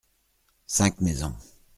Cinq maisons.